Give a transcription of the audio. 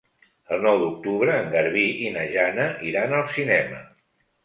El nou d'octubre en Garbí i na Jana iran al cinema.